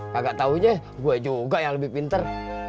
kakak taunya gue juga yang lebih pinter